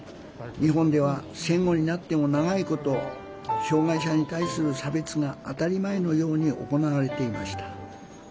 日本では戦後になっても長いこと障害者に対する差別が当たり前のように行われていました。